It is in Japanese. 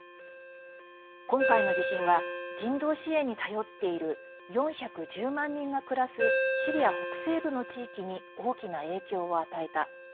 今回の地震は人道支援に頼っている４１０万人が暮らすシリア北西部の地域に大きな影響を与えた。